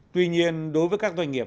tuy nhiên đối với các doanh nghiệp